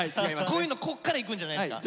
こういうのこっからいくんじゃないんですか？